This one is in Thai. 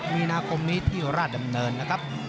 มีนาคมนี้ที่ราชดำเนินนะครับ